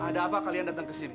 ada apa kalian datang ke sini